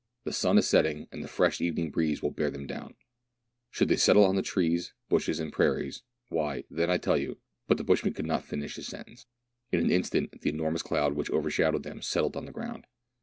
The sun is setting, and the fresh evening breeze will bear them down ; should they settle on the trees, bushes, and prairies, why, then I tell you ;" but the bushman could not finish his sentence. In an instant the enormous cloud which overshadowed them settled on the ground.